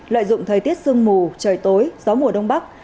lợi dụng thời tiết sương mù trời tối gió mùa đông bắc